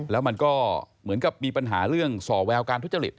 แล้วมันก็เหมือนกับมีปัญหาเรื่องส่อแววการทุจริต